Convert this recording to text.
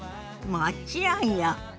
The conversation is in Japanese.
もちろんよ。